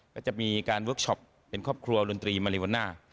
ก็จะมีการเวิร์คช็อปเป็นครอบครัวดนตรีมาริวาน่า